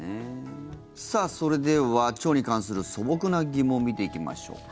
それでは腸に関する素朴な疑問を見ていきましょう。